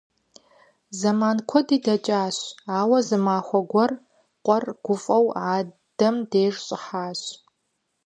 Зэман куэди дэкӀащ, ауэ зы махуэ гуэр къуэр гуфӀэу адэм деж щӀыхьащ.